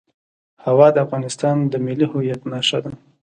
هوا د افغانستان د ملي هویت نښه ده.